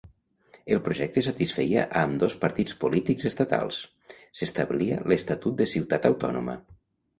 El projecte satisfeia a ambdós partits polítics estatals: s'establia l'estatus de ciutat autònoma.